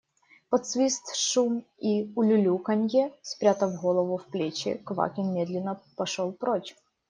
Под свист, шум и улюлюканье, спрятав голову в плечи, Квакин медленно пошел прочь.